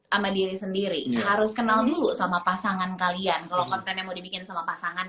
sama diri sendiri harus kenal dulu sama pasangan kalian kalau kontennya mau dibikin sama pasangan